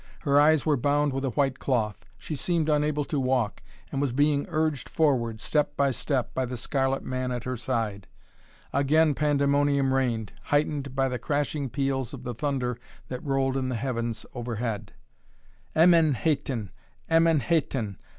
Her eyes were bound with a white cloth. She seemed unable to walk, and was being urged forward, step by step, by the scarlet man at her side. Again pandemonium reigned, heightened by the crashing peals of the thunder that rolled in the heavens overhead. "Emen Hetan! Emen Hetan!